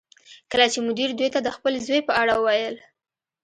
کله چې مدیر دوی ته د خپل زوی په اړه وویل